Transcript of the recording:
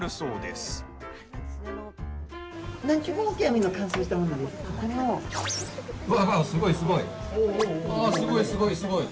すごいすごい！